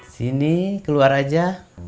sini keluar aja